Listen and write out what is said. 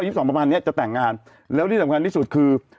สองประมาณเนี้ยจะแต่งงานแล้วที่สำคัญที่สุดคือ